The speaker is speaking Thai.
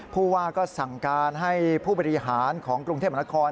ผู้ว่าก็สั่งการให้ผู้บริหารของกรุงเทพมนาคม